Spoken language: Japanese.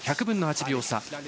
１００分の８秒差。